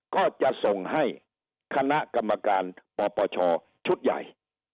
ก็จะส่งให้คณะกรรมการปปชชุดใหญ่